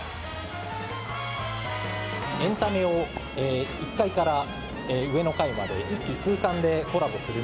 エンタメを１階から上の階まで一気通貫でコラボする。